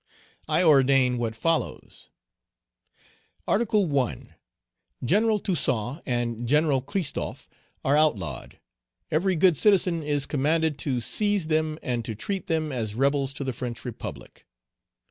"I ordain what follows: "Article 1. General Toussaint and General Christophe are outlawed; every good citizen is commanded to seize Page 181 them, and to treat them as rebels to the French Republic.